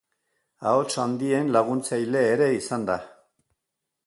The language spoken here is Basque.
Ahots handien laguntzaile ere izan da.